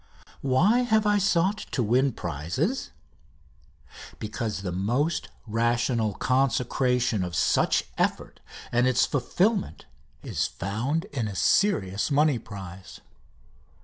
Why have I sought to win prizes? Because the most rational consecration of such effort and its fulfilment is found in a serious money prize.